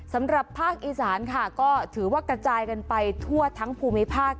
สำหรับภาคอีสานค่ะก็ถือว่ากระจายกันไปทั่วทั้งภูมิภาค